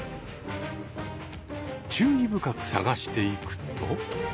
注意深く探していくと。